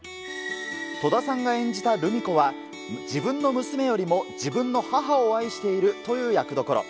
戸田さんが演じたルミ子は、自分の娘よりも、自分の母を愛しているという役どころ。